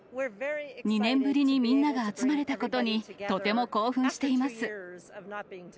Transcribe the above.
２年ぶりにみんなが集まれたことに、とても興奮しています。